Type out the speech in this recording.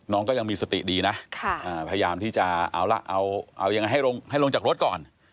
น้องก็ยังมีสติดีนะพยายามที่จะเอาละเอายังไงให้ลงจากรถก่อน